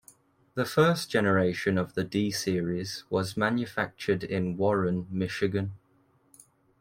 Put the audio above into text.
The first generation of the D-series was manufactured in Warren, Michigan.